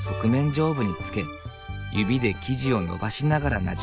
上部につけ指で生地を伸ばしながらなじませていく。